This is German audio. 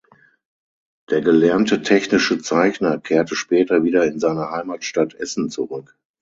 Der gelernte Technische Zeichner kehrte später wieder in seine Heimatstadt Essen zurück.